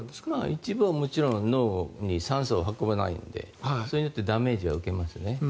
一部は脳に酸素が運べないのでそれによってダメージは受けますね。